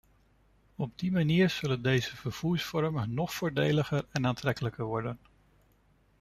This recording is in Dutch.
Op die manier zullen deze vervoersvormen nog voordeliger en aantrekkelijker worden.